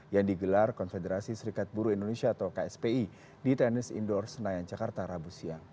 yang digelar konfederasi serikat buru indonesia atau kspi di tenis indoor senayan jakarta rabu siang